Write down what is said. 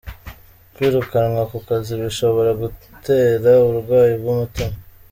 Kwirukanwa ku kazi bishobora gutera uburwayi bw’umutima